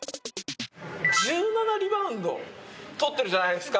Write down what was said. １７リバウンドとってるじゃないですか。